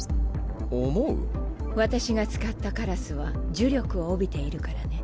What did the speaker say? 私が遣ったカラスは呪力を帯びているからね。